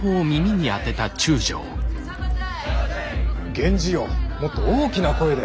源氏よもっと大きな声で。